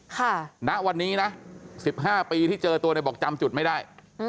ณวันนี้นะ๑๕ปีที่เจอตัวเนี่ยบอกจำจุดไม่ได้